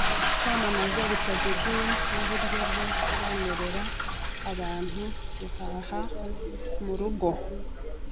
Kwamamaza bitaziguye nuburyo bwo kwemerera abantu guhaha murugo .